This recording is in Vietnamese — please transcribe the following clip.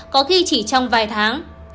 có khi chỉ trong vài tháng